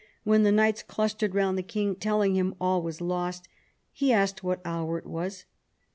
When the knights clustered round the king telling him all was lost, he asked what hour it was.